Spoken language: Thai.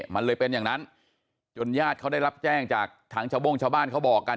มันเลยเป็นอย่างนั้นจนญาติเขาได้รับแจ้งจากทางชาวโบ้งชาวบ้านเขาบอกกัน